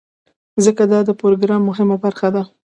ځکه دا د پروګرام مهمه برخه ده.